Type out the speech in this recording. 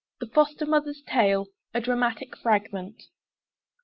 THE FOSTER MOTHER'S TALE, A DRAMATIC FRAGMENT.